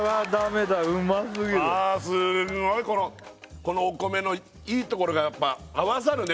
ああすんごいこのこのお米のいいところがやっぱ合わさるね